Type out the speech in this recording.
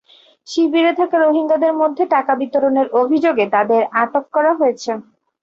শিবিরে থাকা রোহিঙ্গাদের মধ্যে টাকা বিতরণের অভিযোগে তাঁদের আটক করা হয়েছে।